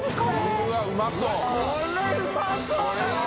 うわぁこれうまそうだな。